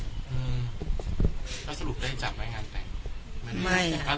แล้วสรุปได้จับไว้งานแต่ง